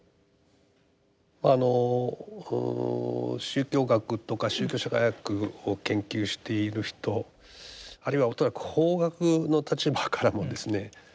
あの宗教学とか宗教社会学を研究している人あるいは恐らく法学の立場からもですね